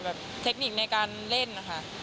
แบบเทคนิคในการเล่นค่ะ